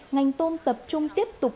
ngành tôm tập trung tiếp tục